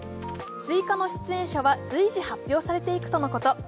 追加の出演者は随時発表されていくとのこと。